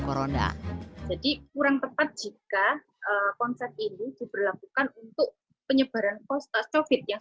corona jadi kurang tepat jika konsep ini diberlakukan untuk penyebaran covid yang